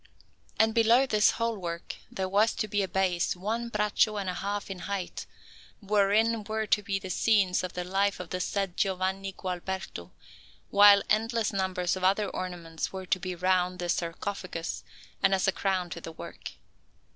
And below this whole work there was to be a base one braccio and a half in height, wherein were to be scenes from the life of the said S. Giovanni Gualberto; while endless numbers of other ornaments were to be round the sarcophagus, and as a crown to the work.